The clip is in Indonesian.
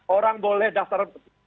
orang boleh daftar